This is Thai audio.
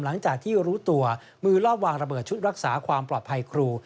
หลังจากที่รู้ตัวมือลอบวางระเบิดชุดรักษาความปลอดภัยครู